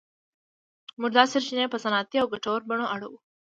موږ دا سرچینې په صنعتي او ګټورو بڼو اړوو.